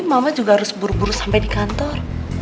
mama juga harus buru buru sampai dikantor